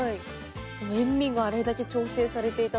塩味があれだけ調整されていたので。